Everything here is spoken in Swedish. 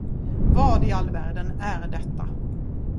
Vad i all världen är detta?